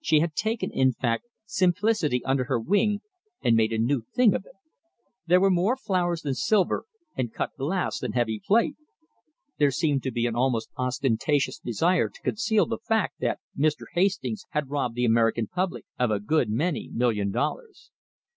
She had taken, in fact, simplicity under her wing and made a new thing of it. There were more flowers than silver, and cut glass than heavy plate. There seemed to be an almost ostentatious desire to conceal the fact that Mr. Hastings had robbed the American public of a good many million dollars.